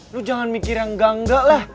lu jangan mikir yang enggak enggak lah